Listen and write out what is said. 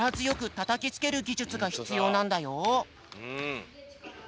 たたきつけるぎじゅつがひつようなんだよ。